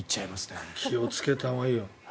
気をつけたほうがいいよ。